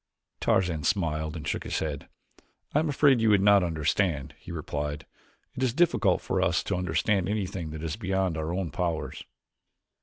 Tarzan smiled and shook his head. "I am afraid you would not understand," he replied. "It is difficult for us to understand anything that is beyond our own powers."